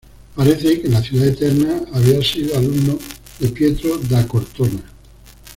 Parece que en la Ciudad Eterna había sido alumno de Pietro da Cortona.